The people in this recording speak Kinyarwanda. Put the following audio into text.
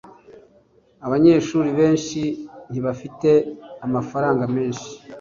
abanyeshuri benshi ntibafite amafaranga menshi